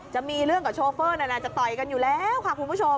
จะมีเรื่องกับโชเฟอร์นั้นจะต่อยกันอยู่แล้วค่ะคุณผู้ชม